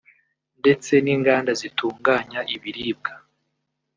ndetse n’inganda zitunganya ibiribwa